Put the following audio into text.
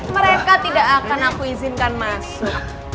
mereka tidak akan aku izinkan masuk